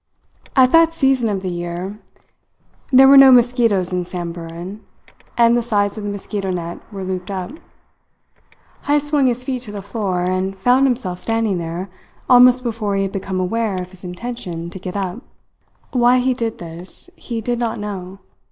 At that season of the year there were no mosquitoes in Samburan, and the sides of the mosquito net were looped up. Heyst swung his feet to the floor, and found himself standing there, almost before he had become aware of his intention to get up. Why he did this he did not know.